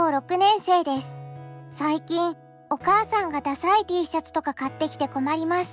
最近お母さんがダサいＴシャツとか買ってきて困ります。